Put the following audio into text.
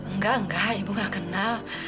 enggak enggak ibu enggak kenal